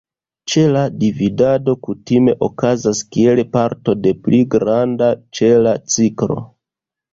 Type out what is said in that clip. Ĉela dividado kutime okazas kiel parto de pli granda ĉela ciklo.